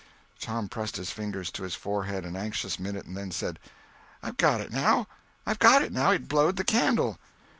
Tom pressed his fingers on his forehead an anxious minute, and then said: "I've got it now! I've got it now! It blowed the candle!"